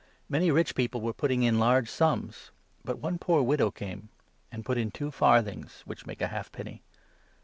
Many rich people were putting in large sums ; but one poor widow came and put in two 42 farthings, which make a half penny.